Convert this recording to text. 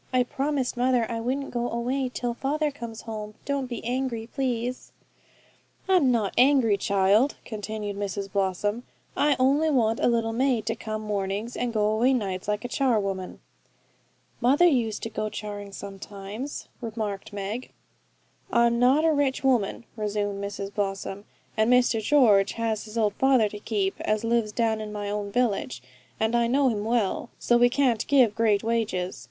I promised mother I wouldn't go away till father comes home. Don't be angry, please.' 'I'm not angry, child,' continued Mrs Blossom. 'I only want a little maid to come mornings, and go away nights, like a char woman.' 'Mother used to go charing sometimes,' remarked Meg. 'I'm not a rich woman,' resumed Mrs Blossom, 'and Mr George has his old father to keep, as lives down in my own village, and I know him well; so we can't give great wages.